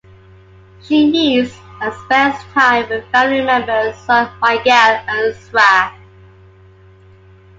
She meets and spends time with family members, son Miguel, and Sra.